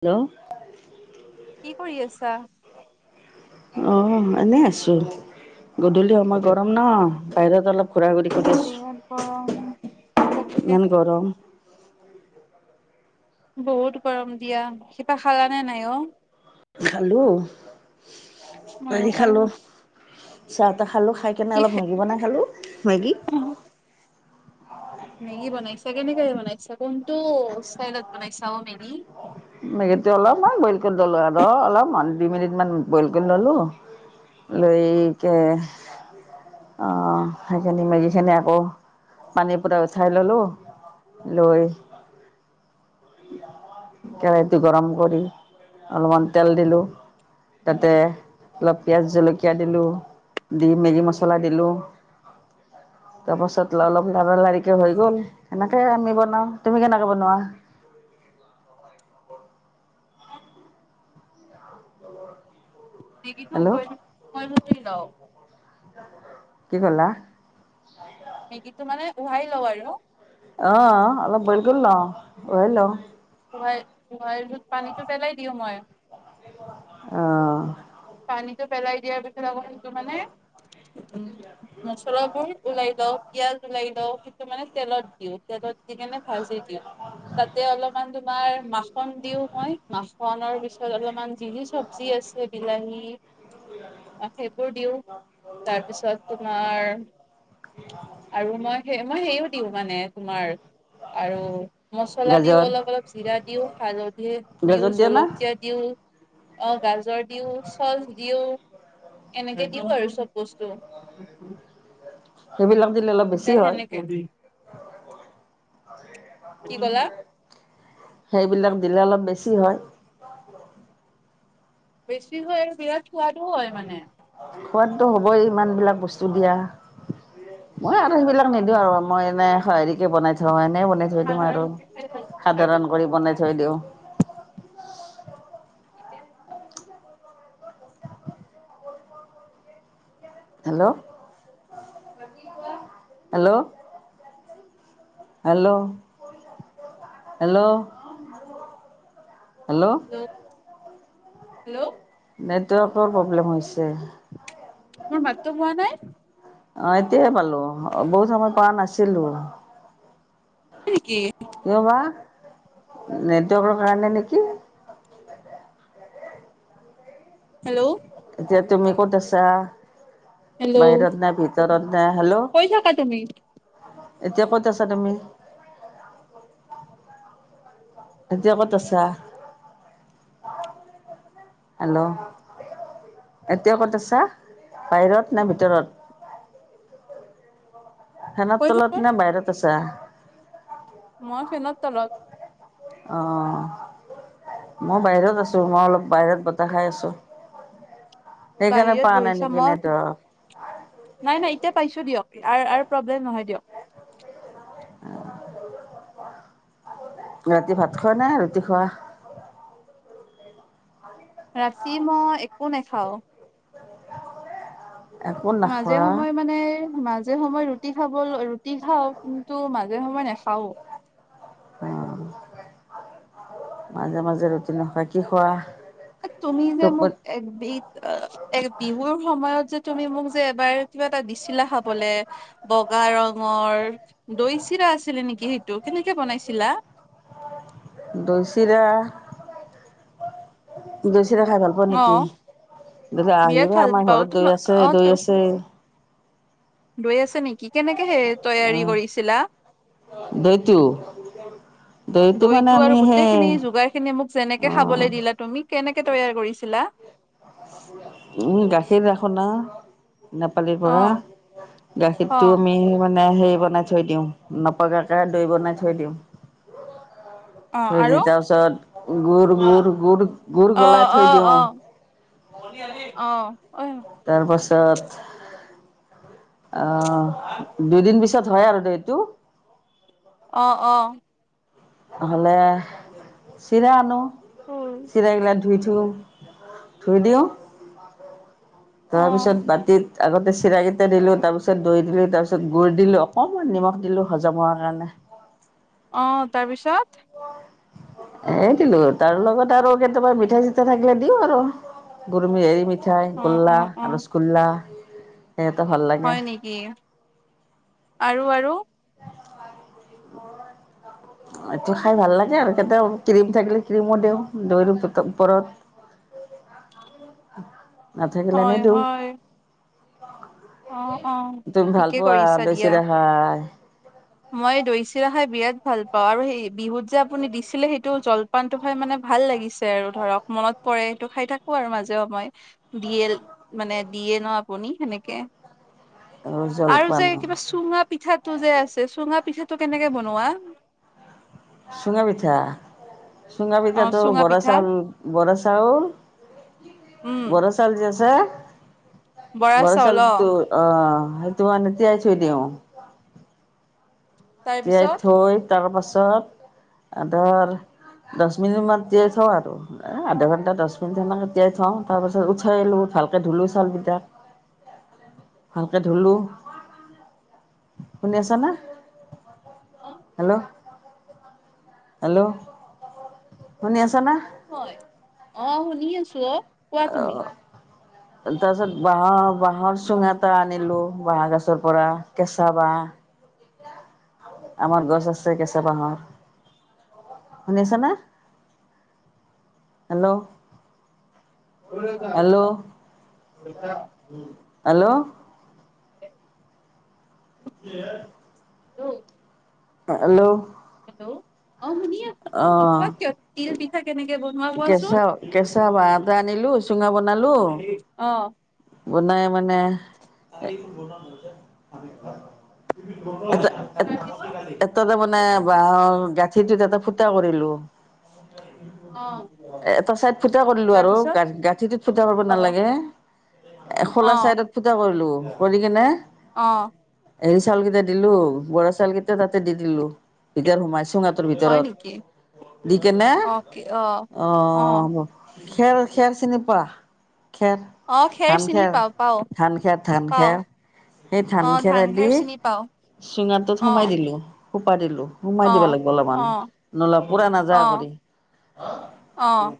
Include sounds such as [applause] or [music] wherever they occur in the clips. Hello কি কৰি আছা? অহ এনেই আছো। গধূলি সময় গৰম ন অ বাহিৰত অলপ ঘূৰা ঘূৰি বিৰাট গৰম। কৰিছো। তাকে ইমান গৰম। বহুত গৰম দিয়া কিবা খালা নে নাই অ? খালো আহি খালো চা খালো খাই কেনে কি অলপ খাই মেগি বনাই খালো। মেগী মেগি বনাইছা কেনেকে বনাইছা কোনটো ষ্টাইলত বনাইছা অ মেগি? মেগীতো অলপমান বইল কৰি ললো আৰু অলপমান দুই মিনিট মান বইল কৰি ললো লৈ কে আহ সেইখিনি মেগি খিনি আকৌ পানী পৰা উঠাই ললো লৈ। কেৰাহীটো গৰম কৰি অলপমান তেল দিলোঁ। তাতে অলপ পিয়াজ জলকীয়া দিলো। দি মেগী মছলা দিলোঁ। তাৰপাছত অলপ লাৰ লাৰিকে হৈ গল সেনেকে আমি বনাও। তুমি কেনেকে বনোৱা? [inaudible] মেগিটো হেল্ল' বইল ক লও কি কলা? মেগী টো মানে উহাই লওঁ আৰু অহ অলপ বইল কৰি লও উহে লও উহাই উহাইতোত পানীটো পেলাই দিওঁ মই অহ। পানীটো পেলাই দিয়াৰ পিছত আকৌ সেইটো মানে মচলাবোৰ ওলাই লওঁ পিয়াজ ওলাই লওঁ সেইটো মানে তেলত দিওঁ তেলত দি কেনে ভাজি দিওঁ তাতে অলপমান তোমাৰ মাখন দিও মই মাখনৰ পিছত অলপমান জিৰিছ চবজি আছে বি সেইবোৰ দিওঁ তাৰপিছত তোমাৰ আৰু মই সে মই সেও দিওঁ মানে তোমাৰ অ। আৰু মছলা দিওঁ, অলপ অলপ জিৰা দিওঁ, হালধি গাজৰ দিওঁ, দিয়ে না জলকীয়া দিওঁ অ গাজৰ দিওঁ চচ দিওঁ, এনেকে দিওঁ আৰু চব বস্তু। সেইবিলাক দিলে অলপ তে বেছি হয় সেনেকে কি কলা সেইবিলাক দিলে অলপ বেছি হয় বেছি হয় বিৰাট সোৱাদো হয় মানে। সোৱাদতটো হ'বই ইমান বিলাক বস্তু দিয়া। মই আৰু সেইবিলাক নিদিওঁ আৰু মই এনে হেৰিকে বনাই থওঁ এনে বনাই থৈ দিওঁ আৰু সাধাৰণকে খাই ভাল পাওঁ আৰু সাধাৰণ কৰি বনাই থৈ দিওঁ। Hello hello. Hello hello. Hello. Hello. নেটৱৰ্কৰ প্ৰব্লেম হৈছে। মোৰ মাতটো হোৱা নাই অ এতিয়াহে পালো বহুত সময় পোৱা নাছিলোঁ। নেকি কিয়বা? নেটৱৰ্কৰ কাৰণে নেকি? হেল্ল'। এতিয়া তুমি ক'ত আছা? হেল্ল' বাহিৰত নে ভিতৰত নে, হেল্ল'। কৈ থাকা তুমি এতিয়া ক'ত আছা তুমি? এতিয়া কত আছা? হেল্ল'। এতিয়া ক'ত আছা বাহিৰত নে ভিতৰত? ফেনৰ কৈ তলত থাকোন নে বাহিৰত আছা? মই ফেনৰ তলত অহ। মই বাহিৰত আছোঁ মই অলপ বাহিৰত বতাহ খাই আছোঁ। সেইকাৰণে বাহিৰত পোৱা নাই বহিছা নেকি মই নেটৱৰ্ক নাই নাই এতিয়া পাইছো দিয়ক। আৰু প্ৰব্লেম নহয় দিয়ক। [unintelligible] ৰাতি ভাত খোৱা নাই ৰুটি খোৱা? ৰাতি মই একো নেখাও। একো মাজে নাখোৱা সময়ে মানে মাজে সময়ে ৰুটি খাব ৰুটি খাওঁ, কিন্তু মাজে সময়ে নেখাও। অ মাজে মাজে ৰুটি নোখোৱা। কি খোৱা? তুমি যে মোক টোপত এ বি বিহুৰ সময়ত যে তুমি মোক যে এবাৰ কিবা এটা দিছিলা খাবলে বগা ৰঙৰ দৈ ছিৰা? আছিলে নেকি সেইটো কেনেকে বনাইছিলা? দৈ চিৰা [unintelligible] চিৰা খাই ভাল পাওঁ অ নেকি? তেনে বিৰাট আহিবা ভাল আমাৰ পাও ঘৰত তোমা দৈ আছে অ দৈ আছে। দৈ আছে নেকি? কেনেকে সে তৈয়াৰী অ', কৰিছিলা? [inaudible] মানে দৈতটো আমি আৰু সেই গোটেইখিনি যোগাৰ খিনি মোক যেনেকে অ', খাবলৈ দিলা তুমি কেনেকে তৈয়াৰ কৰিছিলা? উম গাখীৰ ৰাখো না নেপালিৰ অ পৰা অ গাখীৰটো আমি মানে মানে হেৰি বনাই থৈ দিওঁ নপগাকে দৈ বনাই থৈ দিওঁ। অ থৈ দি আৰু তাৰ পিছত গুুৰ অ গুুৰ গুুৰ গুুৰ অ গলাই অ থৈ দিওঁ। অ অ। তাৰপাছত আহ দুইদিন পিছত হয় আৰু দে এইটো অ অ নহলে চিৰা আনো অ চিৰাগিলা ধুই [unintelligible] থৈ দিওঁ। তাৰপিছত বাতিত আগতে চিৰাৰাকেইটা দিলো তাৰ পিছত দৈ দিলো তাৰ পিছত গুড় দিলো অকণমান নিমখ দিলো হজম হোৱাৰ কাৰণে অ। অ তাৰপিছত? এ দিলো তাৰ লগত আৰু কেতিয়াবা মিঠা চিঠা থাকিলে দিওঁ আৰু গৰুমি এৰি মিঠাই অ অ গোল্লা অ ৰসগোল্লা সেইটো ভাল লাগে হয় নেকি আৰু আৰু? এইটো খাই ভাল লাগে আৰু। কেতিয়াও ক্ৰীম থাকিলে ক্ৰীমো দিওঁ দৈৰ ওপৰত। নাথাকিলে হয় নিদিওঁ। হয় অ অ তুমি ভাল ঠিকে পোৱা কৰিছা দৈ দিয়া চিৰা‌ খাই? মই দৈ চিৰা খাই বিৰাট ভাল পাওঁ, আৰু সেই বিহুত যে আপুনি দিছিলে সেইটো জলপানটো খাই মানে ভাল লাগিছে আৰু ধৰক মনত পৰে সেইটো খাই থাকো আৰু মাজেও মই দিয়ে মানে দি দিয়ে ন আপুনি সেনেকে আৰু যে কিবা চুঙা পিঠাত টো যে আছে চুঙা পিঠাটো কেনেকে বনোৱা? চুঙা পিঠা চুঙা অ পিঠাটো চুঙা বৰা পিঠা চাউল বৰা চাল চাউল উম বৰা চাউল যে আছে। বৰা চাউল টো অ। সেইটো মানে তিয়াই থৈ দিওঁ। তিয়াই তাৰপিছত থৈ তাৰপাছত আধৰ দহ মিনিট মান তিয়াই থওঁ আৰু, আধা ঘণ্টা দহ মিনিট সনেকে তিয়াই থওঁ তাৰ পাছত উঠাই লওঁ ভালকে ধুলো চাউকেইটাক ভালকে ধুলো শুনি আছা না অ হেল্ল হেল্ল' শুনি আছ না? হয় অ শুনি আছো অ কোৱা তুমি অ তাছত বাহ বাহৰ চুঙা এটা আনিলো বাহ গছৰ পৰা কেঁচা বাহ। আমাৰ গছ আছে কেঁচা বাহৰ শুনিছানে hello hello hello hello hello. উ। নহ। হেল্ল' অ অ শুনি আছো তুমি অহ নপোৱা কিয় তিল পিঠা কেনেকে বনায় কেঁচা, কেঁচা বাঁহ এটা আনিলো, চুঙা বনালো। অ বনাই মানে এটা এট অ এট তাতে মানে বাঁহৰ গাঁঠিটো তাতে ফুটা কৰিলো। এটা চাইড ফুটা কৰিলো আৰু তাৰপিছত গা-গাঁঠিটোত ফুটা কৰিব অ নালাগে। এ অ খোলা চাইদত ফূটা কৰিলো। কৰি কিনে অ'। হেৰি চাউল কেইটা দিলো বৰা চাউল কেইটা তাতে দি দিলো এতিয়া সোমাইছ। চুঙাটোৰ হয় ভিতৰত নেকি দি কেনে অ খেৰ-খেৰ চিনি পোৱা খেৰ। অ ধান চিনি খেৰ, পাও পাও ধান খেৰ ধান পাও খেৰ সেই অ ধান খেৰেদি খেৰ চিনি পাও চুঙাটোত অ সোমাই দিলো, সোপা দিলো সোমাই অ দিব লাগিব অলপমান অ নলা পুৰা নাযা কৰি। আহ'।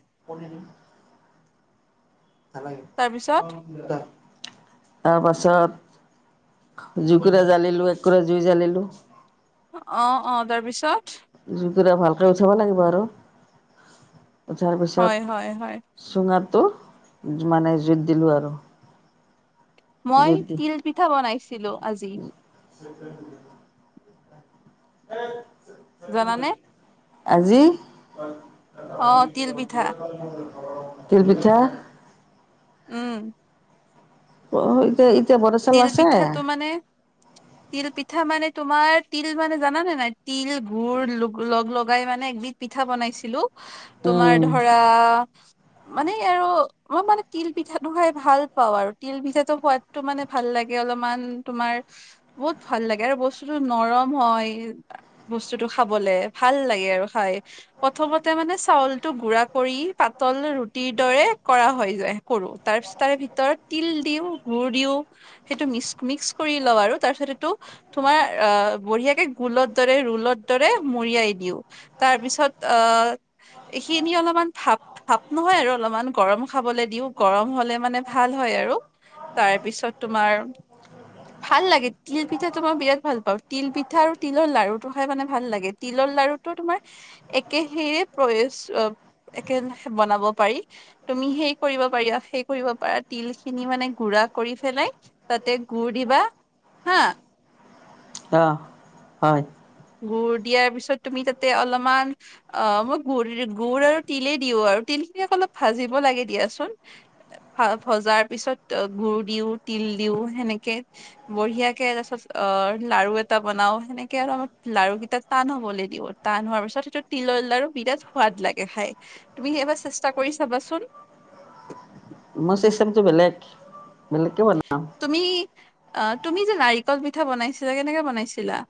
তাৰপিছত তাৰপাছত জুইকোৰা জ্বালিলো, একোৰা জুই জ্বালিলো অ, অ' তাৰপিছত জুই কুৰা ভালকে উঠাব লাগিব আৰু। উঠাৰ হয় হয় হয় পিছত চুঙাত টো যিমানে জুইট দিলো আৰু মই জুইত দি তিল পিঠা বনাইছিলো, আজি। [unintelligible] উম। জানানে? আজি, অ তিল পিঠা তিল পিঠা। উম। [unintelligible] তিল আছে পিঠাটো মানে, তিল পিঠা মানে তোমাৰ তিল মানে জানানে নাই, তিল, গুড় লগ লগাই মানে একবিধ পিঠা বনাইছিলো। তোমাৰ উম ধৰা মানে আৰু মই মানে তিল পিঠাটো খাই ভাল পাওঁ আৰু তিল পিঠাটো সোৱাদটো মানে ভাল লাগে অলপমান তোমাৰ, বহুত ভাল লাগে আৰু বস্তুটো নৰম হয় বস্তুটো খাবলে। ভাল লাগে আৰু খাই। প্ৰথমতে, মানে চাউলটো গুড়া কৰি পাতত কল ৰুটিৰ দৰে কৰা হয় যায় কৰো তাৰ পিছত তাৰে ভিতৰত তিল দিও গু়ড় দিও। সেইটো মিচ মিক্স কৰি লওঁ আৰু তাৰ পিছত সেইটো তোমাৰ অ বঢ়িয়া কে গুলৰ দৰে টোলত দৰে মৰিয়াই দিওঁ। তাৰপিছত অ খিনি অলপমান থাপ ভাপ নহয় আৰু অলপমান গৰম খাবলে দিও গৰম হলে মানে ভাল হয় আৰু তাৰ পিছত তোমাৰ ভাল লাগে। তিল পিঠাটো মই বিৰাত ভাল পাওঁ তিল পিঠা আৰু তিলৰ লাৰু টো খাই মানে ভাল লাগে। তিল তিলৰ লাৰুটো তোমাৰ একেহে [unintelligible] একে বনাব পাৰি তুমি সেই কৰিব পাৰি সেই কৰিব পাৰা তিল খিনি মানে গুৰা কৰি ফেলাই তাতে গুড় দিবা হা আহ হয়। গুড় দিয়াৰ পিছত তুমি তাতে অলপমান অ মই গুড়-গুড় আৰু তিলে দিও আৰু। তিলখিনি আকৌ ভাজিব লাগে দিয়াচোন ভজাৰ পিছত গুড় দিও তি তিল দিও সেনেকে বঢ়িয়াকে তাৰপিছত অ লাৰু এটা বনাও সেনেকে আৰু আমাৰ লাৰু কেইটা টান হ'বলৈ দিব। টান হোৱাৰ পিছত সেইটো তিলৰ লাৰু বিৰাট সোৱাদ লাগে খাই। তুমি এবাৰ চেষ্টা কৰি চাবাচোন। মই চিচটেমটো বেলেগ-বেলেগ কে বনাও। আহ তুমি যে নাৰিকল পিঠা বনাইছিলা কেনেকে বনাইছিলা?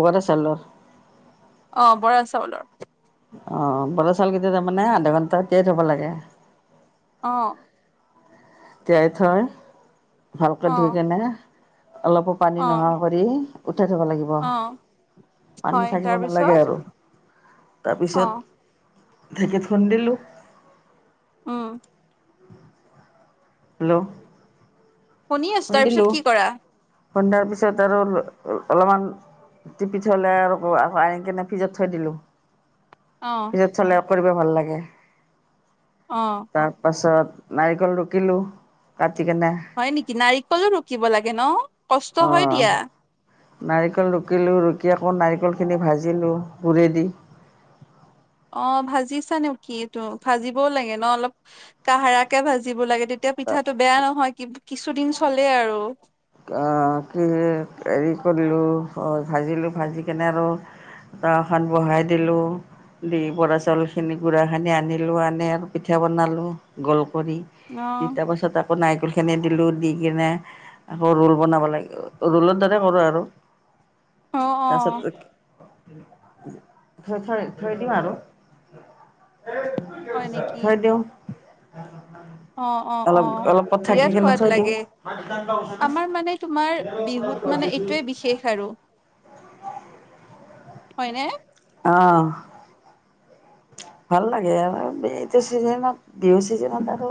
বৰা চলৰ [unintelligible] অ বৰাচাউলৰ। অ বৰাচাউলকেইটা তাৰমানে আধা ঘণ্টা তিয়াই থব লাগে অ। তিয়াই থৈ ভালকে অ ধুই কেনে, অলপো পানী অ নোহোৱা কৰি উঠাই থব লাগিব। অ পানী হয় থাকিব নালাগে তাৰপিছত আৰু। অ তাৰপিছত ঢেঁকীত খুন্দিলোঁ। উম। হেল্ল', শুনি আছোঁ। তাৰ পিছত খুন্দিলোঁ কি কৰা? খুন্দাৰ পিছত আৰু অ অলপমান তিপিঠলে আৰু আনি কেনে ফিজত থৈ দিলো। অ ফিজত থলে কৰিব ভাল লাগে। অ তাৰ পাছত নাৰিকল ৰুকিলো কাট হয় নেকি? নাৰিকলো ৰুকিব লাগে ন, কষ্ট হয় অ' দিয়া। নাৰিকল ৰুকিলোঁ, ৰুকি আকৌ নাৰিকলখিনি ভাজিলোঁ গুৰেদি। অ ভাজিছানে কিটো। [unintelligible] ভাজিবও লাগে ন অলপ কাহাৰকে ভাজিব লাগে তেতিয়া পিঠাটো বেয়া নহয় কিছুদিন চলে আৰু। কি হেৰি কৰিলোঁ ভাজিলোঁ, ভাজি কেনে আৰু তাখন বহাই দিলো দি বৰা চাউল খিনি গুড়া খিনি আনিলো, আনি আৰু পিঠা বনালো। গল কৰি অ তিনি তাৰ পাছত আকৌ নাৰিকলখিনি দিলোঁ, দি কিনে আকৌ ৰোল বনাব লাগে। ৰোলৰ দাৰাই কৰোঁ আৰু অ অ তাৰপিছত থৈ-থৈ-থৈ দিম আৰু। হয় নেকি থৈ দিওঁ। অ অ অ অলপ-অলপ ত বিৰাট থাকি কিনে সোৱাদ থৈ দিওঁ। লাগে আমাৰ মানে তোমাৰ বিহুত মানে এইটোৱে বিশেষ আৰু। হয়নে? অহ। ভাল লাগে আৰু এইটো চিজনত বিহু চিজনত আৰু